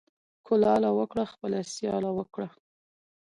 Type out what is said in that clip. ـ کولاله وکړه خپله سياله وکړه.